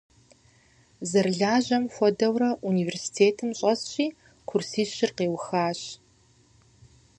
Зэрылажьэм хуэдэурэ университетым щӏэсщи, курсищыр къиухащ.